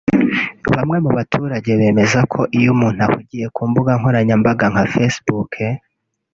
Bamwe mu baturage bemeza ko iyo umuntu ahugiye ku mbuga nkoranyambaga nka Facebook